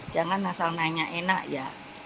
jangan asal nanya enak ya